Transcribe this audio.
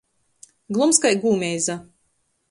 Glums kai gūmeiza.